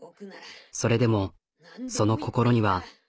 それでもその心には。